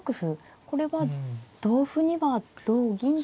これは同歩には同銀と。